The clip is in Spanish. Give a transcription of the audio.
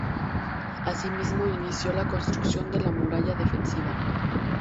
Asimismo, inició la construcción de la muralla defensiva.